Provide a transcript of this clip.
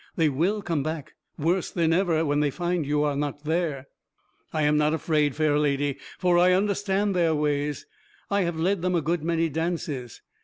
They will come back worse than ever when they find you are not there." "I am not afraid, fair lady, for I understand their ways. I have led them a good many dances....